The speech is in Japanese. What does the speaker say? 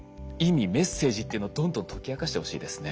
メッセージっていうのをどんどん解き明かしてほしいですね。